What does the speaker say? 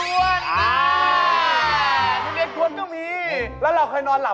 เมื่อกี้น้าว่าซื้อทุเรียนกวนนอนไม่หลับ